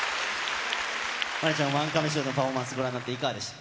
真凜ちゃん、ワンカメショーでのパフォーマンスご覧になっていかがでした？